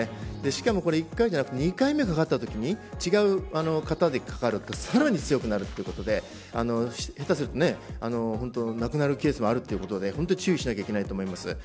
しかも、これは１回目じゃなく２回目にかかったときに違う型でかかるとさらに強くなるということで下手をすると亡くなるケースもあるということで本当に注意しなければいけないと思います。